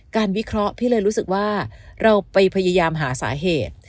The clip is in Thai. วิเคราะห์พี่เลยรู้สึกว่าเราไปพยายามหาสาเหตุ